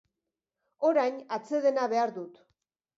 Orain atsedena behar dut.